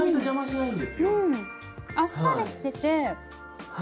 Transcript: うんあっさりしてて。